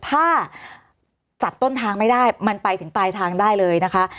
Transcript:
ถ้าจับต้นทางไม่ได้มันไปถึงปลายทางได้เลยนะคะ